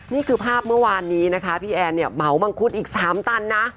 นี่คือภาพเมื่อวานนี้นะคะพี่แอนเนี่ยเหมามังคุดอีก๓ตันนะ